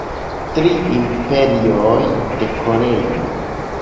Tri imperioj de Koreio.